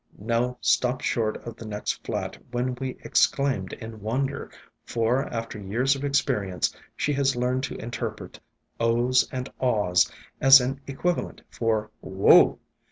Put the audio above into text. Nell stopped short on the next flat when we ex claimed in wonder; for after years of experience she has learned to interpret Oh's and Ah's as an equivalent for Whoa!